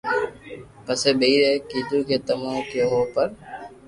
پسي ٻيئر اي ڪآدو ڪي تمو ڪيو ھون پر